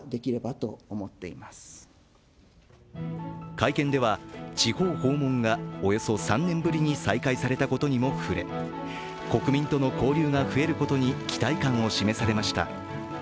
会見では、地方訪問がおよそ３年ぶりに再開されたことにも触れ国民との交流が増えることに期待感を示されました。